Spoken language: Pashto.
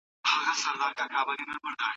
د دې ژوندیو له کتاره به وتلی یمه